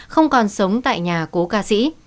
không còn sống tại nhà cố ca sĩ